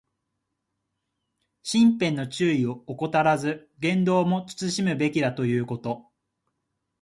身辺の注意を怠らず、言動も慎むべきだということ。